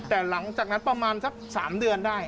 แต่หลังจากนั้นประมาณสัก๓เดือนได้